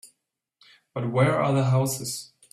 But where are the houses?